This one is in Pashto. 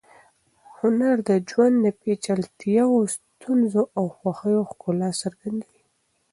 هنر د ژوند د پیچلتیاوو، ستونزو او خوښیو ښکلا څرګندوي.